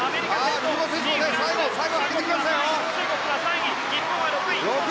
中国は３位、日本は６位。